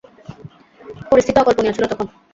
পরিস্থিতি অকল্পনীয় ছিল তখন।